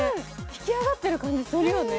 引き上がってる感じするよね。